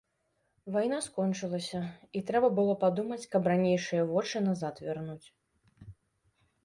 Вайна скончылася, і трэба было падумаць, каб ранейшыя вочы назад вярнуць.